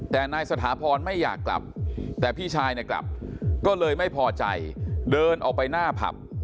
แต่นายสถาพรไม่อยากกลับแต่พี่ชายเนี่ยกลับก็เลยไม่พอใจเดินออกไปหน้าผับ